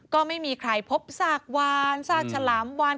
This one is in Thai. ก็ไม่มีใครพบซากวานซากฉลามวาน